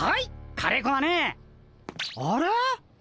カレーこはねあれ？